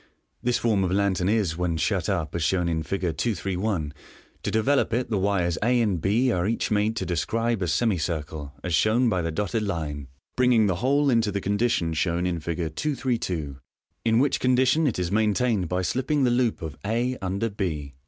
This form of lantern is, when shut up, as shown in Fig. 231. MODERN MAGIC 39 To develop it, the wires a and h are each made to descrihe a semi circle, as shown by the dotted line, bringing the whole into the condition shown in Fig. 232, in which condition it is maintained by slipping the loop of a under h.